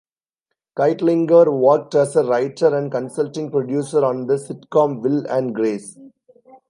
Kightlinger worked as a writer and consulting producer on the sitcom "Will and Grace".